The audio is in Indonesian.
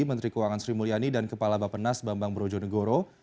menteri keuangan sri mulyani dan kepala bapenas bambang brojonegoro